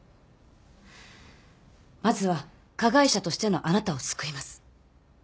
まずは加害者としてのあなたを救います。